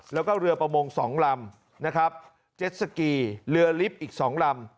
แล้วก็เรือประมง๒ลำนะครับเจ็ดสกีเรือลิฟต์อีก๒ลำ